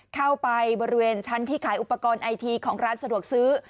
เข้าไปบริเวณชั้นที่ขายอุปกรณ์ไอทีของร้านสะดวกซื้อ